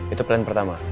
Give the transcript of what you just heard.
itu plan pertama